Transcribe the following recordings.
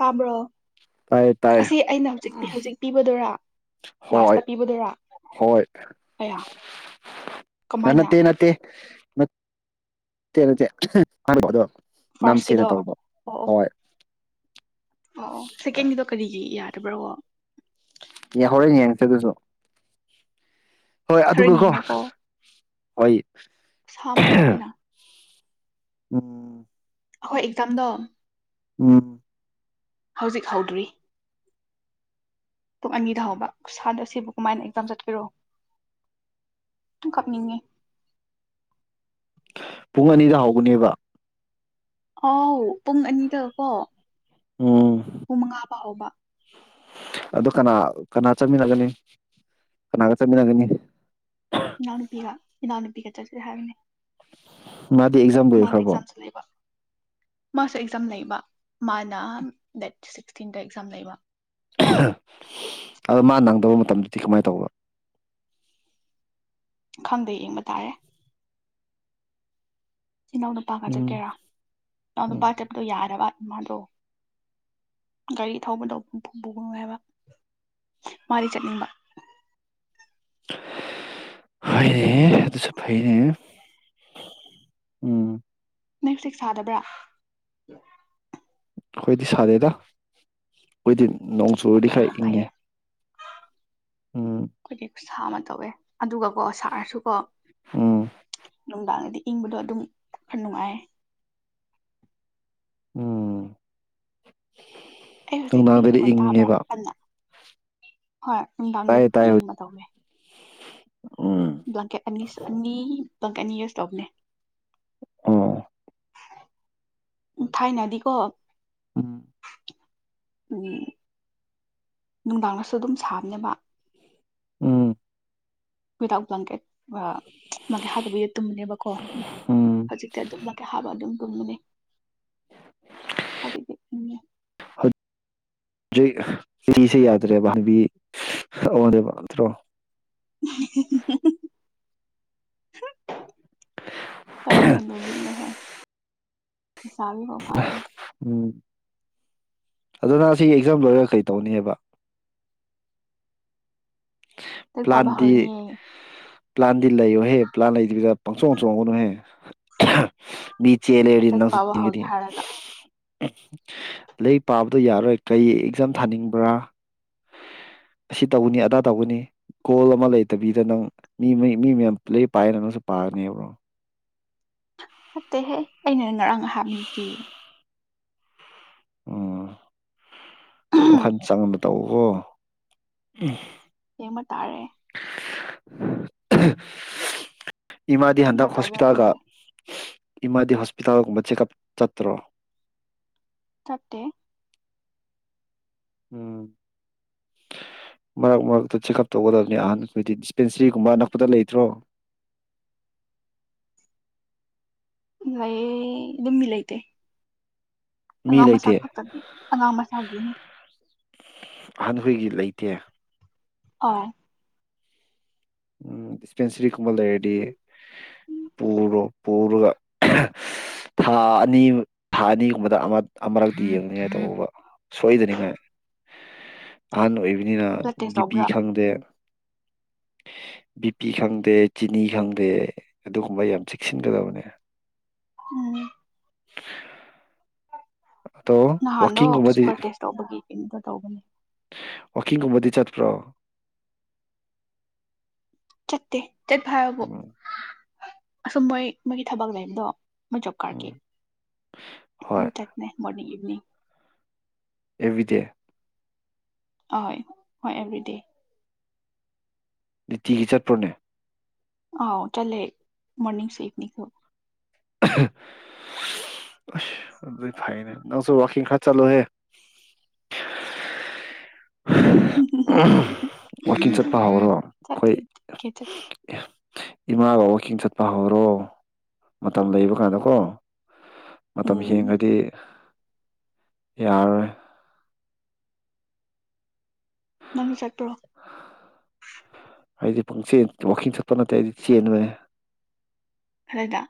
ꯇꯥꯕ꯭ꯔꯣ ꯇꯥꯏ ꯇꯥꯏ ꯑꯁꯤ ꯑꯩꯅ ꯍꯧꯖꯤꯛꯄꯤ ꯍꯧꯖꯤꯛ ꯄꯤꯕꯗꯔꯥ ꯍꯣꯏ ꯂꯥꯁꯇ ꯄꯤꯕꯥꯗꯨꯔꯥ ꯍꯣꯏ ꯑꯌꯥ ꯀꯃꯥꯏꯅ ꯅꯠꯇ‌ꯦ ꯅꯠꯇ‌ꯦ ꯑꯗꯨ ꯅꯝꯁꯦꯅ ꯐꯥꯔꯁꯀꯤꯗꯣ ꯑꯣ ꯇꯧꯕ ꯑꯣ ꯍꯣꯏ ꯑꯣ ꯁꯦꯀꯦꯟꯒꯤꯗꯣ ꯀꯔꯤꯒꯤ ꯌꯥꯅ [unintelligible] ꯍꯣꯔ‌ꯦꯟ ꯌꯦꯡꯉꯛꯀ‌ꯦ ꯑꯗꯨꯁꯨ ꯍꯣꯏ ꯑꯗꯨꯒꯀꯣ ꯍꯣꯏ ꯁꯥ ꯑꯃ ꯇꯏ ꯑꯣꯏꯅ ꯎꯝ ꯑꯩꯈꯣꯏ ꯑꯦꯛꯖꯥꯝꯗꯣ ꯎꯝ ꯍꯧꯖꯤꯛ ꯍꯧꯗ꯭ꯔꯤ ꯄꯨꯡ ꯑꯅꯤꯗꯥ ꯍꯥꯎꯕ ꯁꯥꯗ ꯁꯤꯕꯨ ꯀꯃꯥꯏꯅ ꯑꯦꯛꯖꯥꯝ ꯆꯠꯀ‌ꯦꯔꯣ ꯇꯨ ꯀꯥꯞꯅꯤꯡꯉꯦ ꯄꯨꯡ ꯑꯅꯤꯗ ꯍꯧꯕꯥꯅꯦꯕ ꯑꯥꯎ ꯄꯨꯡ ꯑꯅꯤꯗꯀꯣ ꯄꯨꯡꯃꯉꯥ ꯐꯥꯎꯕ ꯑꯗꯨ ꯀꯅꯥ ꯀꯅꯥ ꯆꯠꯃꯤꯟꯅꯒꯅꯤ ꯀꯅꯥꯒ ꯆꯠꯃꯤꯟꯅꯒꯅꯤ ꯏꯅꯥꯎꯅꯨꯄꯤꯒ ꯏꯅꯥꯎꯅꯨꯄꯤꯒ ꯆꯠꯁꯦ ꯍꯥꯏꯕꯅꯤ ꯃꯥꯗꯤ ꯑꯦꯛꯖꯥꯝ ꯑꯣꯏꯔꯛꯈ꯭ꯔꯕꯣ ꯂꯩꯕ ꯃꯥꯁꯨ ꯑꯦꯛꯖꯥꯝ ꯂꯩꯕ ꯃꯥꯅ ꯗꯦꯠ ꯁꯤꯛꯁꯇꯤꯟꯗ ꯑꯦꯛꯖꯥꯝ ꯂꯩꯕ ꯑꯗꯣ ꯃꯥ ꯅꯪꯗꯕ ꯃꯇꯝꯗꯨꯗꯤ ꯀꯃꯥꯏꯅ ꯇꯧꯕ ꯈꯪꯗꯦ ꯌꯦꯡꯕ ꯇꯥꯔꯦ ꯏꯅꯥꯎ ꯅꯨꯄꯥꯒ ꯎꯝ ꯆꯠꯀꯦꯔꯥ ꯏꯅꯥꯎ ꯎꯝ ꯅꯨꯄꯥꯒ ꯆꯠꯄꯗꯣ ꯌꯥꯗꯕ ꯃꯥꯗꯣ ꯒꯥꯔꯤ ꯊꯧꯕꯗꯣ [unintelligible] ꯍꯥꯏꯕ ꯃꯥꯗꯤ ꯆꯠꯅꯤꯡꯕ ꯍꯣꯏꯅꯦ ꯑꯗꯨꯁꯨ ꯐꯩꯅꯦ ꯎꯝ ꯅꯪ ꯍꯧꯖꯤꯛ ꯁꯥꯗꯕ꯭ꯔꯥ ꯍꯣꯏꯗꯤ ꯁꯥꯗꯦꯗ ꯑꯩꯈꯣꯏꯗꯤ ꯅꯣꯡ ꯌꯥꯝ ꯆꯨꯔꯗꯤ ꯐꯩ ꯈꯔ ꯌꯥꯝ ꯏꯪꯉꯦ ꯐꯩꯌꯦ ꯎꯝ ꯁꯥ ꯑꯃ ꯇꯧꯋꯦ ꯑꯗꯨꯒꯀꯣ ꯁꯥꯔꯁꯨꯀꯣ ꯎꯝ ꯅꯨꯡꯗꯥꯡꯗꯗꯤ ꯏꯪꯕꯗꯣ ꯑꯗꯨꯝ ꯅꯨꯡꯉꯥꯏ ꯎꯝ ꯑꯩ ꯍꯧꯖꯤꯛ ꯑꯩꯒꯤ ꯅꯨꯡꯗꯥꯡꯗꯗꯤ ꯀꯣꯟ ꯇꯥꯕ꯭ꯔꯥ ꯏꯪꯉꯦꯕ ꯀꯟꯅ ꯍꯣꯏ ꯅꯨꯡꯗꯥꯡꯗ ꯇꯥꯏꯌꯦ ꯇꯥꯏꯌꯦ ꯍꯧꯖꯤꯛ ꯏꯪꯕ ꯇꯧꯋꯦ ꯎꯝ ꯕ꯭ꯂꯥꯟꯀꯦꯠ ꯑꯅꯤ ꯁꯨꯔꯅꯤ ꯕ꯭ꯂꯥꯟꯀꯦꯠꯀ ꯑꯅꯤ ꯌꯨꯁ ꯇꯧꯕꯅꯦ ꯑꯥ ꯎ ꯊꯥꯏꯅꯗꯤꯀꯣ ꯎꯝ ꯎ ꯅꯨꯡꯗꯥꯡꯗꯁꯨ ꯑꯗꯨꯝ ꯁꯥꯕꯅꯦꯕ ꯎꯝ ꯋꯤꯗꯥꯎꯠ ꯕ꯭ꯂꯥꯡꯀꯦꯠ ꯃꯀꯩꯠ ꯍꯥꯕꯕ ꯇꯨꯝꯕꯅꯦꯕꯀꯣ ꯎꯝ ꯍꯧꯖꯤꯛꯇꯤ ꯑꯗꯨꯝ ꯕ꯭ꯂꯥꯟꯀꯦꯠꯀ ꯍꯥꯞꯄ ꯑꯗꯨꯝ ꯇꯨꯝꯕꯅꯦ ꯍꯧꯖꯤꯛꯇꯤ [unintelligible] ꯅꯠꯇ꯭ꯔꯣ [unintelligible] ꯀꯔꯤ ꯍꯅ ꯃꯤꯅꯣ ꯍꯥꯏ ꯆꯕꯤꯕ ꯐꯥꯗꯦ ꯎꯝ ꯑꯗꯨꯅ ꯁꯤ ꯑꯦꯛꯖꯥꯝ ꯂꯣꯏꯔꯒ ꯀꯩ ꯇꯧꯅꯤꯕ ꯔꯤꯛ ꯄꯥꯕꯥ ꯄ꯭ꯂꯥꯟꯗꯤ ꯍꯧꯔꯅꯤꯌꯦ ꯄ꯭ꯂꯥꯟꯗꯤ ꯂꯩꯌꯣꯍꯦ ꯄ꯭ꯂꯥꯟ ꯂꯩꯇ ꯄꯖꯥ ꯄꯪ ꯆꯣꯡ ꯆꯣꯡꯒꯅꯨꯍꯦ ꯃꯤ ꯆꯦꯟꯂꯦ ꯍꯥꯏꯔꯗꯤ ꯂꯥꯏꯔꯤꯛ ꯅꯪꯁꯨ ꯄꯥꯕ ꯍꯧꯔꯅꯤ ꯆꯦꯟꯒꯅꯤ ꯍꯥꯏꯔꯒ ꯂꯥꯏꯔꯤꯛ ꯄꯥꯕꯗꯣ ꯌꯥꯔꯣꯏ ꯀꯩ ꯑꯦꯛꯖꯥꯝ ꯊꯥꯅꯤꯡꯕ꯭ꯔꯥ ꯑꯁꯤ ꯇꯧꯕꯅꯤ ꯑꯗꯥ ꯇꯧꯒꯅꯤ ꯀꯒꯣꯜ ꯑꯃ ꯂꯩꯇꯕꯤꯗ ꯅꯪ ꯃꯤ ꯃꯤ ꯃꯌꯥꯝꯂ ꯄꯥꯏꯌꯦꯅ ꯅꯪꯁꯨ ꯄꯥꯒꯅꯦꯕ꯭ꯔꯣ ꯑ ꯍꯦ ꯏꯩꯅ ꯉꯔꯥꯡ ꯑꯍꯥꯞꯗꯤ ꯑꯣꯝ ꯑꯣ ꯍꯥꯟ ꯆꯥꯡ ꯇꯧꯕꯣ ꯎꯝ ꯑꯃ ꯇꯥꯔꯦ [unintelligible] ꯏꯃꯥꯗꯤ ꯀꯃꯥꯏ ꯍꯟꯗꯛ ꯇꯧꯒꯦꯔꯥ ꯍꯣꯁꯄꯤꯇꯥꯜꯒ ꯈꯪꯗꯦ ꯏꯃꯥꯗꯤ ꯍꯣꯁꯄꯤꯇꯥꯜꯒꯨꯝꯕ ꯆꯦꯛꯑꯞ ꯆꯠꯇ꯭ꯔꯣ ꯆꯠꯇꯦ ꯎꯝ ꯃꯔꯛ ꯃꯔꯛꯇ ꯆꯦꯛꯑꯞ ꯇꯧꯒꯗꯕꯅꯤ ꯑꯍꯟ ꯑꯩꯈꯣꯏꯗꯤ ꯗꯤꯁꯄꯦꯟꯁꯔꯤꯒꯨꯝꯕ ꯑꯅꯛꯄꯗ ꯂꯩꯇ꯭ꯔꯣ ꯎꯝ ꯂꯩꯌꯦ ꯌꯨꯝ ꯃꯤ ꯂꯥꯏꯇꯩ ꯃꯤ ꯂꯩꯇꯦ ꯑꯉꯥꯡ ꯃꯆꯥꯒꯤꯅꯤ ꯑꯍꯟꯈꯣꯏꯒꯤ ꯂꯩꯇꯦ ꯑ ꯎꯝ ꯗꯤꯁꯄꯦꯟꯁꯔꯤꯒꯨꯝꯕ ꯂꯩꯔꯗꯤ ꯄꯨꯔꯣ ꯄꯨꯔꯒ ꯊꯥ ꯑꯅꯤ ꯊꯥ ꯑꯅꯤꯒꯨꯝꯕꯗ ꯑꯃꯔꯛꯇꯤ ꯌꯦꯡꯅꯤꯡꯉꯥꯏ ꯇꯧꯕ ꯁꯣꯏꯗꯅꯤꯡꯉꯥꯏ ꯑꯍꯥꯟꯕ ꯑꯣꯏꯕꯤ ꯑꯅꯤꯅ ꯕ꯭ꯂꯠ ꯇꯦꯁ ꯕꯤꯄꯤ ꯇꯧꯕ꯭ꯔꯥ ꯈꯪꯗꯦ ꯕꯤ ꯄꯤ ꯈꯪꯗꯦ ꯆꯤꯅꯤ ꯈꯪꯗꯦ ꯑꯗꯨꯒꯨꯝꯕ ꯌꯥꯝ ꯆꯦꯛꯁꯤꯟꯒꯗꯕꯅꯦ ꯎꯝ ꯑꯗꯣ ꯅꯍꯥꯟꯗꯣ ꯋꯥꯛꯀꯤꯡꯒꯨꯝꯕꯗꯤ ꯁꯨꯄꯔ ꯇꯦꯁ ꯇꯧꯕꯒꯤ ꯀꯩꯝꯇ ꯇꯧꯒꯅꯤ ꯋꯥꯀꯤꯡꯒꯨꯝꯕꯗꯤ ꯆꯠꯄ꯭ꯔꯣ ꯆꯠꯇꯦ ꯆꯠꯄ ꯍꯥꯢꯕꯕꯨ ꯎꯝ ꯑꯁꯨꯝ ꯃꯣꯏ ꯃꯣꯏꯒꯤ ꯊꯕꯛ ꯂꯩꯕꯗꯣ ꯃꯣꯢ ꯖꯣꯕ ꯀꯥꯔꯗꯀꯤ ꯎꯝ ꯍꯣꯏ ꯑꯗꯨ ꯆꯠꯄꯅꯦ ꯃꯣꯔꯅꯤꯡ ꯎ ꯑꯦꯕꯤꯗꯦ ꯑꯍꯣꯏ ꯍꯣꯏ ꯑꯦꯕ꯭ꯔꯤꯗꯦ ꯅꯨꯡꯇꯤꯒꯤ ꯆꯠꯄ꯭ꯔꯅꯦ ꯑ ꯆꯠꯂꯦ ꯃꯣꯔꯅꯤꯡꯁꯨ ꯏꯚꯅꯤꯡꯁꯨ ꯐꯥꯏꯅꯦ ꯅꯪꯁꯨ ꯋꯥꯀꯤꯡ ꯈꯔ ꯆꯠꯂꯨ ꯍꯦ ꯋꯥꯛꯀꯤꯡ ꯆꯠꯄ ꯍꯧꯔꯣ ꯑꯩꯈꯣꯏ ꯆꯠꯀꯦ ꯆꯠꯀꯦ ꯏꯃꯥꯒ ꯋꯥꯛꯀꯤꯡ ꯆꯠꯄ ꯍꯧꯔꯣ ꯃꯇꯝ ꯂꯩꯕ ꯀꯥꯟꯗꯀꯣ ꯃꯇꯝ ꯎꯝ ꯍꯦꯡꯒ꯭ꯔꯗꯤ ꯌꯥꯔꯔꯣꯢ ꯅꯪꯁꯨ ꯆꯠꯄ꯭ꯔꯣ ꯍꯥꯏꯗꯤ ꯄꯪꯆꯦꯟ ꯋꯥꯋꯥꯛꯀꯤꯡ ꯆꯠꯄ ꯅꯠꯇꯦ ꯑꯩꯗꯤ ꯆꯦꯟꯕ ꯐꯔꯗ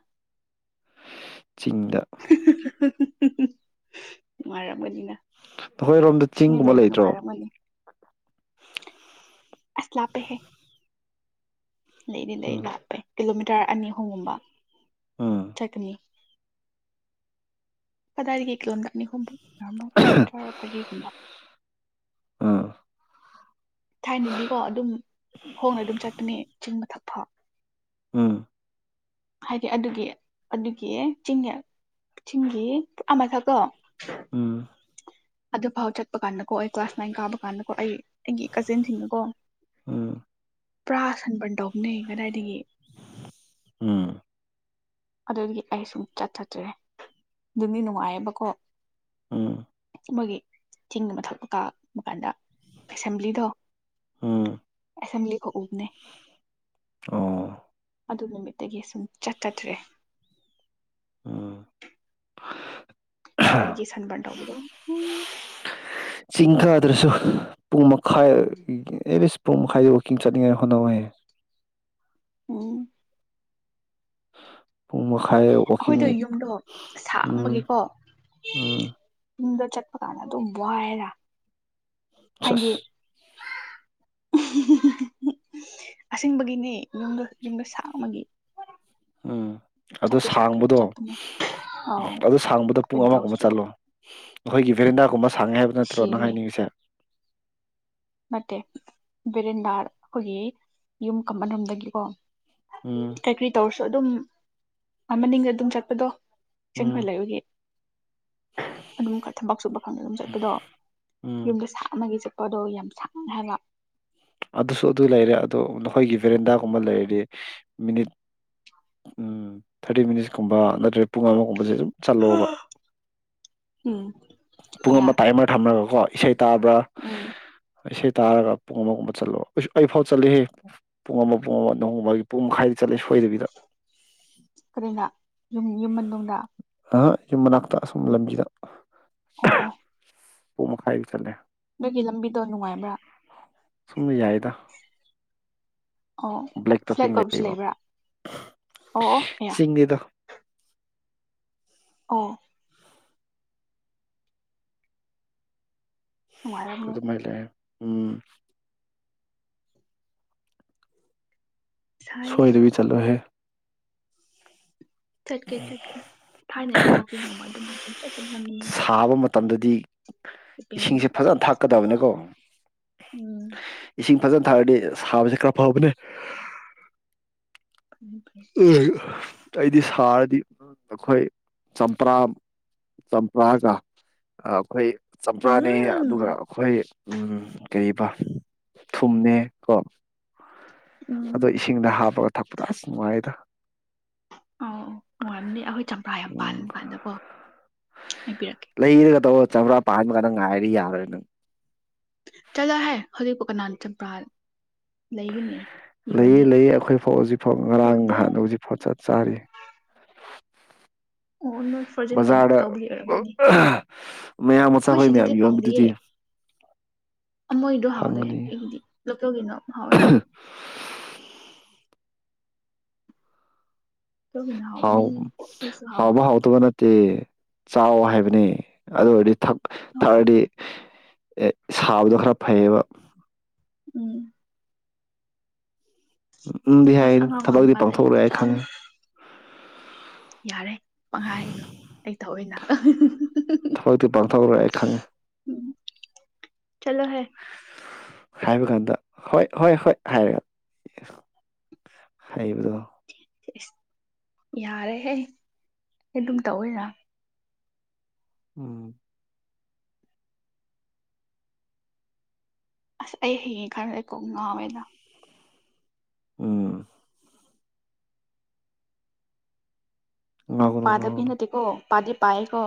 ꯆꯤꯡꯗ ꯉꯥꯏꯔꯝꯒꯅꯤ ꯅꯈꯣꯏꯔꯣꯝꯗ ꯆꯤꯡꯒꯨꯝꯕ ꯂꯩꯇ꯭ꯔꯣ ꯅꯨꯡꯉꯥꯏꯔꯝꯒꯅꯤ ꯑꯁ ꯂꯥꯞꯄꯦ ꯍꯦ ꯂꯩꯅꯤ ꯂꯩ ꯎꯝ ꯂꯥꯞꯄꯦ ꯀꯂꯣꯃꯤ [unintelligible] ꯑꯅꯤ ꯑꯍꯨꯝ ꯒꯨꯝꯕ ꯎꯝ ꯆꯠꯒꯅꯤ ꯀꯗꯥꯢꯗꯒꯤ ꯀꯤꯂꯣꯃꯤꯇꯔ ꯑꯅꯤ ꯑꯍꯨꯝ ꯃ ꯀꯤꯂꯣꯃꯤꯇꯔ ꯄ [unintelligible] ꯎꯝ ꯊꯥꯏꯅꯗꯤꯀꯣ ꯑꯗꯨꯝ ꯈꯣꯡꯅ ꯑꯗꯨꯝ ꯆꯠꯄꯅꯦ ꯆꯤꯡ ꯃꯊꯛ ꯊꯥ ꯎꯝ ꯍꯥꯏꯗꯤ ꯑꯗꯨꯒꯤ ꯑꯗꯨꯒꯤ ꯆꯤꯡꯉꯜ ꯊꯤꯡꯒꯤ ꯑꯃꯃꯥꯏ ꯊꯀꯣ ꯎꯝ ꯑꯗꯨꯐꯥꯎ ꯆꯠꯄ ꯀꯥꯟꯗꯀꯣ ꯑꯩ ꯀ꯭ꯂꯥꯁ ꯅꯥꯏꯟ ꯀꯥꯕ ꯀꯥꯟꯗꯀꯣ ꯑꯩ ꯑꯩꯒꯤ ꯀꯥꯖꯤꯟꯁꯤꯡꯅꯀꯣ ꯄꯨꯔꯥ ꯁꯟꯄꯟ ꯇꯧꯅꯦ ꯀꯗꯥꯏꯗꯒꯤ ꯎꯝ ꯑꯗꯨꯗꯤ ꯑꯩ ꯁꯨꯝ ꯆꯠ ꯆꯠꯇ꯭ꯔꯦ ꯑꯗꯨꯗꯤ ꯅꯨꯡꯉꯥꯏꯌꯦꯕꯀꯣ ꯎꯝ ꯃꯣꯏꯒꯤ ꯆꯤꯡ ꯃ ꯊꯛꯄ ꯀꯥꯕ ꯀꯥꯟꯗ ꯑꯦꯁꯦꯝꯕ꯭ꯂꯤꯗꯣ ꯎꯝ ꯑꯦꯁꯦꯝꯕ꯭ꯂꯤ ꯀ ꯎꯕꯅꯦ ꯑꯣ ꯑꯗꯨ ꯅꯨꯃꯤꯠꯇꯒꯤꯁꯨꯝ ꯆꯠꯀꯗ꯭ꯔꯦ ꯎꯝ ꯔꯗꯤꯗꯒꯤ ꯁꯟꯕꯥꯗꯧꯕꯗꯝ ꯆꯤꯡ ꯀꯥꯗ꯭ꯔꯁꯨ ꯄꯨꯡ ꯃꯈꯥꯏ ꯑꯦ ꯕꯤꯁ ꯄꯨꯡ ꯃꯈꯥꯏꯗ ꯋꯥꯛꯀꯤꯡ ꯆꯠꯅꯤꯡꯉꯥꯏ ꯍꯣꯠꯅꯧꯋꯌꯦ ꯑꯝ ꯄꯨꯡ ꯃꯈꯥꯏ ꯋꯥꯀꯤꯡ ꯑꯩꯈꯣꯏꯗꯣ ꯌꯨꯝꯗꯣ ꯎꯝ ꯁꯥꯡꯕꯒꯤꯀꯣ ꯎꯝ ꯌꯨꯝꯗ ꯆꯠꯄ ꯀꯥꯟꯗ ꯑꯗꯨꯝ ꯋꯥꯏꯔ ꯆꯁ ꯍꯥꯏꯗꯤ ꯑꯁꯦꯡꯕꯒꯤꯅꯦ ꯌꯗ ꯌꯨꯝꯗ ꯁꯥ ꯑꯃꯒꯤ ꯑꯗꯨ ꯁꯥꯡꯕꯗꯣ ꯑꯥꯎ ꯑꯗꯨ ꯁꯥꯡꯕꯗꯣ ꯄꯨꯡ ꯀꯔꯤ ꯑꯃꯒꯨꯝꯕ ꯇꯧꯁꯤꯔꯣ ꯆꯠꯂꯣ ꯑꯩꯈꯒꯤ ꯕꯤꯔꯡꯗꯒꯨꯕ ꯁꯥꯡꯉꯦ ꯍꯥꯏꯕ ꯅꯠꯇ꯭ꯔꯣ ꯅꯪ ꯁꯤꯔꯅꯤ ꯍꯥꯏꯅꯤꯡꯉꯤꯁꯦ ꯅꯠꯇꯦ ꯕꯦꯔꯤꯟꯗꯥ ꯑꯩꯈꯣꯏꯒꯤ ꯌꯨꯝ ꯀꯃꯟꯔꯣꯝꯗꯒꯤꯀꯣ ꯎꯝ ꯀ꯭ꯔꯤ ꯇꯧꯔꯁ ꯑꯗꯨꯝꯒ ꯑꯗꯨꯝ ꯆꯠꯄꯗꯣ ꯎꯝ ꯆꯪꯍꯜꯂꯒꯦ ꯑꯗꯨꯝ ꯊꯕꯛ ꯆꯨꯞꯕ ꯈꯪꯗ ꯑꯗꯨꯝ ꯆꯠꯄꯗꯣ ꯎꯝ ꯌꯨꯝꯗ ꯁꯥ ꯑꯃꯒꯤ ꯆꯠꯄ ꯄꯗꯣ ꯌꯥꯝ ꯁꯥꯡ ꯍꯥꯢꯕ ꯑꯗꯨꯁꯨ ꯑꯗꯨ ꯂꯩꯔꯦ ꯑꯗꯣ ꯅꯈꯣꯏꯒꯤ ꯕꯦꯔꯦꯟꯗꯥꯒꯨꯝꯕ ꯂꯩꯔꯗꯤ ꯃꯤꯅꯤꯠ ꯎꯝ ꯊꯥꯔꯇꯤ ꯃꯤꯅꯤꯠꯁꯀꯨꯝꯕ ꯅꯠꯇ꯭ꯔꯦ ꯄꯨꯡ ꯑꯃꯒꯨꯝꯕꯁꯦ ꯁꯨꯝ ꯆꯠꯂꯣꯕ ꯎꯝ ꯆꯠꯄ ꯄꯨꯡ ꯑꯃ ꯌꯥꯏ ꯇꯥꯏꯃꯔ ꯊꯝꯂꯒꯀꯣ ꯏꯁꯩ ꯇꯥꯕ꯭ꯔꯥ ꯎꯝ ꯏꯁꯩ ꯇꯥꯔꯒ ꯄꯨꯡ ꯑꯃꯒꯨꯝꯕ ꯆꯠꯂꯣ ꯑꯩ ꯑꯩꯐꯥꯎ ꯆꯠꯂꯤꯍꯦ ꯄꯨꯡ ꯑꯃ ꯄꯨꯡ ꯑꯃ ꯅꯣꯡꯒꯨꯝꯕꯒꯤ ꯄꯨꯡ ꯃꯈꯥꯏꯗ ꯆꯠꯂ ꯁꯣꯏꯗꯕꯤꯗ ꯀꯔꯤꯅ ꯌꯨꯝ ꯌꯨꯝ ꯃꯅꯨꯡꯗ ꯑꯥ ꯌꯥꯝ ꯃꯅꯥꯛꯗ ꯑ ꯂꯝꯖꯗ ꯍbbbb ꯄ ꯃꯈꯥꯏꯒꯤ ꯆꯠꯂꯦ ꯑꯗꯨꯒꯤ ꯂꯝꯕꯤꯗꯣ ꯅꯨꯡꯉꯥꯏꯕ꯭ꯔꯥ ꯁꯨꯝꯅ ꯌꯥꯏꯗ ꯑꯣ ꯕ꯭ꯂꯦꯛ ꯐ꯭ꯂꯦꯠ ꯇꯣꯞꯄꯤꯡ ꯑꯣꯏꯕꯁꯨ ꯂꯩꯌꯦꯕ ꯂꯩꯕ꯭ꯔꯥ ꯑꯣ ꯑꯣ ꯑꯦꯌꯥ ꯆꯤꯡꯅꯤꯗ ꯑꯣ ꯅꯨꯡꯉꯥꯏꯔꯝꯅꯤ ꯑꯗꯨꯃ ꯂꯩꯦ ꯎꯝ ꯁꯥꯏ ꯁꯣꯏꯗꯕꯤ ꯆꯂꯣꯍꯦ ꯆꯠꯀꯦ ꯆꯠꯀꯦ ꯊꯥꯏꯅꯅꯤ ꯋꯥꯛꯀꯤꯡꯒꯨꯝꯕ ꯑꯗꯨꯝ ꯑꯗꯨ ꯆꯠ ꯆ ꯅꯃꯤꯉ ꯁꯥꯕ ꯃꯇꯝꯗꯗꯤ ꯏꯁꯤꯡꯁꯦ ꯐꯖꯅ ꯐꯖꯕ ꯊꯥꯛꯀꯗꯕꯅꯦꯀꯣ ꯎꯝ ꯏꯁꯤꯡ ꯐꯖꯅ ꯊꯥꯔꯗꯤ ꯁꯥꯕꯁꯦ ꯈꯔ ꯐꯕꯅꯦ ꯐꯩ ꯐꯩ ꯎ ꯑꯩꯗꯤ ꯁꯥꯔꯗꯤ ꯑꯩꯈꯣꯏ ꯆꯝꯄ꯭ꯔꯥ ꯆꯝꯄ꯭ꯔꯥꯒ ꯑꯩꯈꯣꯏ ꯆꯝꯄ꯭ꯔꯥꯅꯤ ꯑꯗꯨꯒ ꯎꯝ ꯑꯩꯈꯣꯏ ꯎꯝ ꯀꯔꯤꯕ ꯊꯨꯝꯃꯦ ꯀꯣ ꯑꯗꯣ ꯎꯝ ꯏꯁꯤꯡꯗ ꯍꯥꯞꯄꯒ ꯊꯛꯗꯥꯦ ꯥꯏꯗ ꯑꯧ ꯅꯨꯡꯉꯥꯏꯔꯝꯅꯦ ꯑꯩꯈꯣꯏ ꯆꯝꯄ꯭ꯔꯥ ꯌꯥꯝ ꯄꯥꯜ ꯎꯝ ꯀꯥꯟꯗꯀꯣ ꯍꯥꯏꯕꯤꯔꯛꯀꯦ ꯆ꯭ꯔ ꯄꯥꯃ ꯀꯗ ꯉꯥꯏꯔꯤ ꯌꯥꯔꯣꯏ ꯆꯖ ꯍꯥꯏ ꯍꯧꯖꯤꯛꯄꯥꯎ ꯀꯅꯥ ꯆꯝꯄ꯭ꯔꯥ ꯂꯩꯒꯤꯅꯤ ꯂꯩꯌꯦ ꯂꯩꯌꯦ ꯑꯩꯈꯣꯏ ꯐꯥꯎ ꯍꯧꯖꯤꯛꯐꯥꯎ ꯉꯔꯥꯡ ꯌꯣꯟꯗꯦ ꯅꯍꯥꯟ ꯍꯧꯖꯤꯛꯐꯥꯎ ꯆꯠ ꯆꯥꯔꯤ ꯑꯣ ꯅꯣꯏ ꯐꯣꯔꯖꯤꯟ ꯕꯖꯥꯔꯗ ꯇ ꯑꯣꯏꯔꯝꯃꯅꯤ ꯃꯌꯥꯡ ꯃꯆꯥꯈꯣꯏ ꯃꯌꯥꯝ ꯌꯣꯟꯕꯗꯨꯗꯤ ꯃꯣꯏꯗꫭ ꯍꯥꯎꯗꯦ ꯐꯪꯒꯅꯤ ꯑꯩꯒꯤꯗꯤ ꯂꯣꯀꯦꯜꯒꯤꯅꯣ ꯍꯥꯎꯋꯦ ꯇꯒꯅ ꯍꯥꯎꯅꯤ ꯑꯈꫭꯏꯁꯨ ꯍꯥꯎꯅꯤ ꯇꯦ ꯆꯥꯎ ꯍꯥꯏꯕꯅꯤ ꯑꯗꯨ ꯑꯣꯏꯔꯗꯤ ꯊꯛ ꯊꯥꯛ ꯍꯣꯏ ꯑꯗꯤ ꯑꯦ ꯁꯥꯕꯗꯣ ꯈꯔ ꯐꯩꯌꯦꯕ ꯎꯝ ꯎꯝ ꯎꯝꯗꯤ ꯍꯥꯏ ꯑꯁ ꯑꯉꯥꯡ ꯑꯣꯏꯔꯝ ꯊꯕꯛꯇꯗꯤ ꯀꯥꯟꯗ ꯑꯩ ꯌꯥꯝ ꯄꯥꯡꯊꯣꯛꯔꫭꯏ ꯍꯥꯏ ꯈꯪꯉꯦ ꯆꯥꯕꯅꯦ ꯌꯥꯔꯦ ꯄꯪꯍꯥꯏ ꯍꯥꯏꯒꯅꯨ ꯑꯩ ꯊꯋꯦꯅ ꯊꯕꯛꯇꯤ ꯄꯥꯡꯊꯣꯛꯎꯔꯣꯏ ꯑꯩ ꯈꯪꯉꯦ [unintelligible] ꯆꯠꯂꫭꯍꯦ ꯍꯥꯏꯕ ꯀꯥꯟꯗ ꯍꯣꯏ ꯍꯣꯏ ꯍꯣꯏ ꯍꯥꯏꯔꯒ ꯍꯥꯏꯕꯗꯣ ꯏꯁ ꯌꯥꯔꯦꯍꯦ ꯑꯗꯨꯝ ꯇꯧꯋꯤꯅ ꯎꯝ ꯑꯁ ꯑꯩ ꯍꯌꯦꯛ ꯈꯟꯕꯗ ꯀꯣꯛ ꯉꯥꯡꯋꯦꯗ ꯎꯝ ꯉꯥꯎꯒꯅꯨ ꯉꯥꯎꯒꯅꯨ ꯄꯥꯗꯕꯩ ꯅꯠꯇꯦꯀꯣ ꯄꯥꯗꯤ ꯄꯥꯏꯌꯦꯀꯣ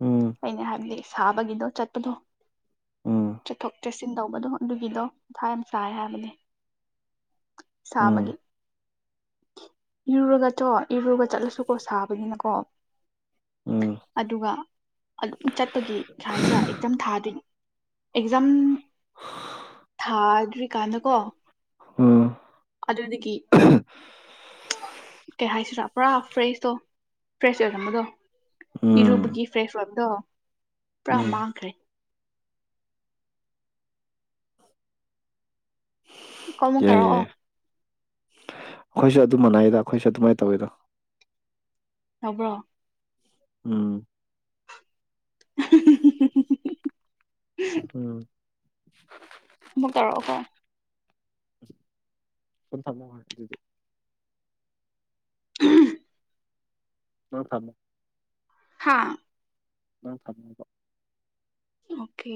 ꯎꯝ ꯑꯩꯅ [unintelligible] ꯁꯥꯕꯒꯤꯗꯣ ꯆꯠꯄꯗꯣ ꯎꯝ ꯆꯠꯊꯣꯛ ꯆꯠꯁꯤꯟ ꯇꯧꯕꯗꯣ ꯑꯗꯨꯒꯤꯗꯣ ꯃꯥꯊꯥ ꯌꯥꯝ ꯁꯥꯏ ꯍꯥꯏꯕꯅꯤ ꯁꯥꯕꯒꯤ ꯎꯝ ꯏꯔꯨꯔꯒ ꯆꯣ ꯏꯔꯨꯔꯒ ꯆꯠꯂꯁꯨ ꯀꯣ ꯁꯥꯕꯅꯤꯅꯀꯣ ꯎꯝ ꯑꯗꯨꯒ ꯑꯗꯨꯝ ꯆꯠꯄꯒꯤ ꯁ ꯍꯥꯏꯁꯤꯔꯥ ꯑꯦꯛꯖꯝ ꯊꯥꯗꯣꯏ ꯑꯦꯛꯖꯝ ꯊꯥꯗ꯭ꯔꯤ ꯀꯥꯟꯗꯀꯣ ꯎꯝ ꯑꯗꯨꯗꯒꯤ ꯀꯩ ꯍꯥꯏꯁꯤꯔꯥ ꯄꯨꯔꯥ ꯐ꯭ꯔꯦꯁꯇꯣ ꯐ꯭ꯔꯦꯁ ꯑꯣꯏꯔꯝꯕꯗꯣ ꯎꯝ ꯏꯔꯨꯕꯒꯤ ꯐ꯭ꯔꯦꯁ ꯑꫭꯏ ꯗꯣ ꯄꯨꯔꯥ ꯎꯝ ꯃꯥꯡꯈ꯭ꯔꯦ ꯀꯣꯜꯃꯨꯛ ꯌꯥꯏ ꯇꯧꯔꯛꯑꯣ ꯌꯥꯏ ꯑꯩꯈꯣꯏꯁꯨ ꯑꯗꯨꯝ ꯃꯅꯥꯏꯗ ꯑꯩꯈꯣꯏꯁꯨ ꯑꯗꯨꯃꯥꯏꯅ ꯇꯧꯋꯤꯗ ꯇꯕ꯭ꯔꯣ ꯎꯝ ꯎꯝ [unintelligible] ꯑꯃꯨꯛ ꯇꯧꯔꯛꯑꯣꯀꯣ ꯀꯟ ꯊꯝꯃ ꯑꯗꯨꯗꯤ [unintelligible] ꯑꯣ ꯐꯃ ꯍꯥꯥ ꯅꯪ ꯊꯝꯉꯕꯣ ꯑꯣꯀꯦ